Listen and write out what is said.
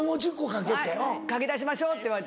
書き出しましょうって言われて。